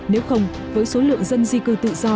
nếu không với số lượng dân di cư tự do